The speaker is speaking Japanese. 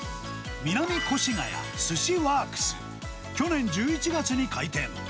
南越谷スシワークス、去年１１月に開店。